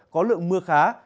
có lượng mưa khá